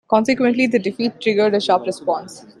Consequently, the defeat triggered a sharp response.